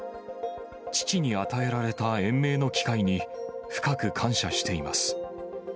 父に与えられた延命の機会に深く感謝しています。